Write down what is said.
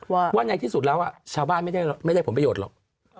ว่าในที่สุดแล้วชาวบ้านไม่ได้ผลประโยชน์หรอก